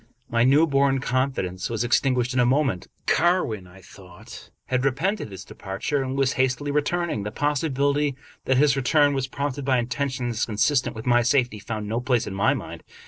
My new born confidence was extinguished in a moment. Carwin, I thought, had repented his departure, and was hastily returning. The possibility that his return was prompted by intentions consistent with my safety found no place in my mind.